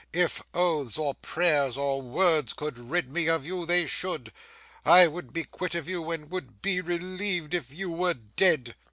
'If oaths, or prayers, or words, could rid me of you, they should. I would be quit of you, and would be relieved if you were dead.